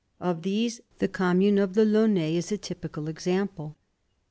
Of these the commune of the Laonnais is a typical example.